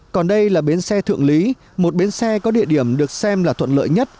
còn đây là bến xe thượng lý một bến xe có địa điểm được xem là thuận lợi nhất